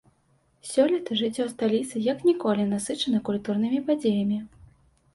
Сёлета жыццё сталіцы як ніколі насычана культурнымі падзеямі.